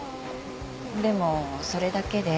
でもそれだけで。